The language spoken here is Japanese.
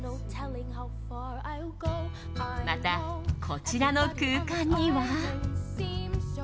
また、こちらの空間には。